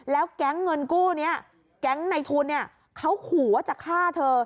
แล้วแก๊งเงินกู้นี้แก๊งในทุนเขาขู่ว่าจะฆ่าเธอ